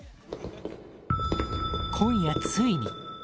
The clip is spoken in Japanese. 今夜ついに